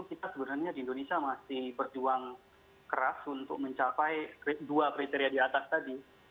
kita sebenarnya di indonesia masih berjuang keras untuk mencapai dua kriteria di atas tadi